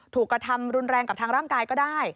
ถูกกระทำรุนแรงกับทางร่างกายก็ได้